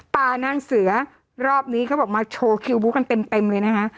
นางเสือรอบนี้เขาบอกมาโชว์คิวบุ๊กกันเต็มเลยนะคะ